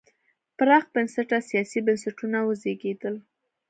پراخ بنسټه سیاسي بنسټونه وزېږېدل.